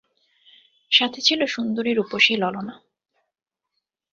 সাথে ছিল সুন্দরী-রূপসী ললনা।